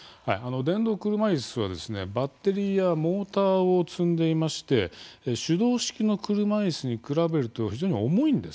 電動車いすはバッテリーやモーターを積んでいまして手動式の車いすに比べると非常に重たいんです。